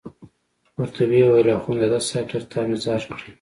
ورته ویې ویل اخندزاده صاحب تر تا مې ځار کړې.